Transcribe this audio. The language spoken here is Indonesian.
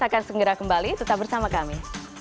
akan segera kembali tetap bersama kami